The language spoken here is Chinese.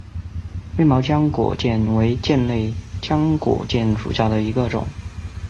灰毛浆果楝为楝科浆果楝属下的一个种。